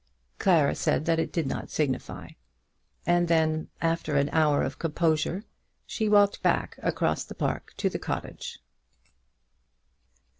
Clara said that it did not signify; and then, after an hour of composure, she walked back across the park to the cottage.